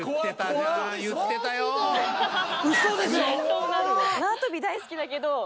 そうなるわ］